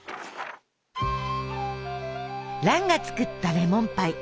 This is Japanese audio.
蘭が作ったレモンパイ。